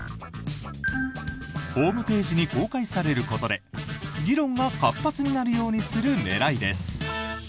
ホームページに公開されることで議論が活発になるようにする狙いです。